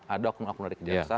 ada oknum oknum dari kejaksaan